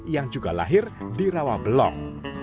yang juga lahir di rawabelong